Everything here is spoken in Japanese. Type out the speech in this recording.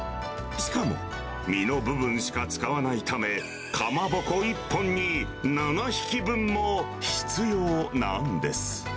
しかも、身の部分しか使わないため、かまぼこ１本に７匹分も必要なんです。